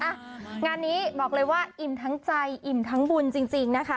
งานนี้บอกเลยว่าอิ่มทั้งใจอิ่มทั้งบุญจริงนะคะ